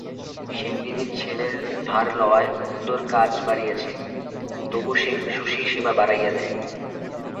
সেনদিদির ছেলের ভার লওয়ায় কুন্দর কাজ বাড়িয়াছে, তবু সে শশীর সেবা বাড়াইয়া দেয়।